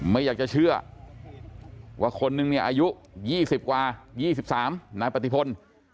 ไม่อยากจะเชื่อว่าคนนึงเนี่ยอายุ๒๐กว่า๒๓นายปฏิพล